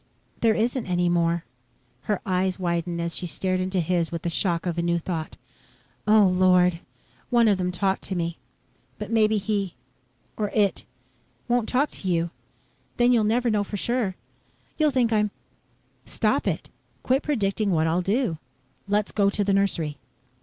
"There isn't any more." Her eyes widened as she stared into his with the shock of a new thought. "Oh, Lord! One of them talked to me, but maybe he or it won't talk to you. Then you'll never know for sure! You'll think I'm ..." "Stop it. Quit predicting what I'll do. Let's go to the nursery."